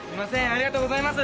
ありがとうございます。